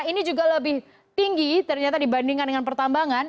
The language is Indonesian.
ini juga lebih tinggi ternyata dibandingkan dengan pertambangan